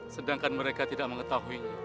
sedangkan mereka tidak mengetahuinya